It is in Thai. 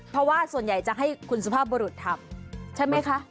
เพราะว่าส่วนใหญ่จะให้คุณสุภาพบรุษทำใช่ไหมคะ